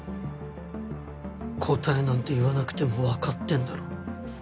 答えなんて言わなくてもわかってんだろ。